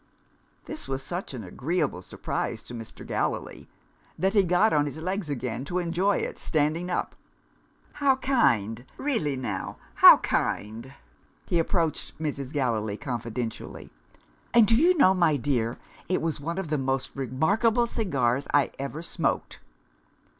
This was such an agreeable surprise to Mr. Gallilee, that he got on his legs again to enjoy it standing up. "How kind! Really now, how kind!" He approached Mrs. Gallilee confidentially. "And do you know, my dear, it was one of the most remarkable cigars I ever smoked."